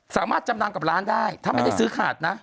จำนำกับร้านได้ถ้าไม่ได้ซื้อขาดนะ